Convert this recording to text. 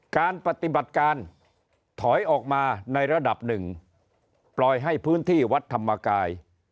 การปฏิบัติการถอยออกมาในระดับหนึ่งปล่อยให้พื้นที่วัดธรรมกาย